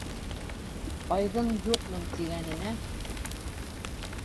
Байҙың «юҡмын» тигәненә